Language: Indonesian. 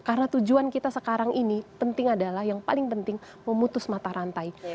karena tujuan kita sekarang ini penting adalah yang paling penting memutus mata rantai